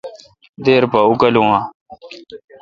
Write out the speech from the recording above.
دیر پا اوکالوں ا۔